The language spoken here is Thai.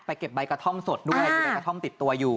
เก็บใบกระท่อมสดด้วยมีใบกระท่อมติดตัวอยู่